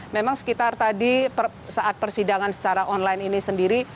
memang sekitar tadi saat persidangan secara online ini sendiri